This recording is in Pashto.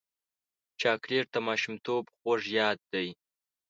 چاکلېټ د ماشومتوب خوږ یاد دی.